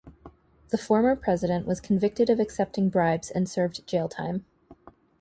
The former president was convicted of accepting bribes and served jail time.